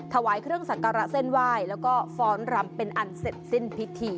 ถวายเครื่องสักการะเส้นไหว้แล้วก็ฟ้อนรำเป็นอันเสร็จสิ้นพิธี